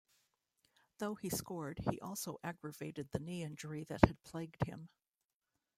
Though he scored, he also aggravated the knee injury that had plagued him.